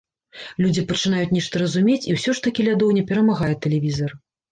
Людзі пачынаюць нешта разумець, і ўсё ж такі лядоўня перамагае тэлевізар.